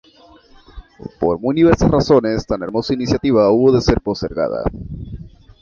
Por muy diversas razones, tan hermosa iniciativa hubo de ser postergada.